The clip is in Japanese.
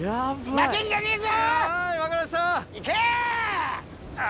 負けんじゃねえぞ。